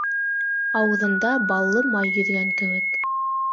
Ауыҙында баллы май йөҙгән кеүек.